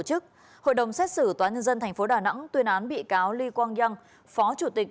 chức hội đồng xét xử tòa nhân dân thành phố đà nẵng tuyên án bị cáo ly quang văn phó chủ tịch